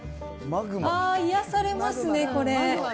あー、癒やされますね、これ。